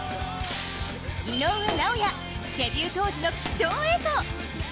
井上尚弥、デビュー当時の貴重映像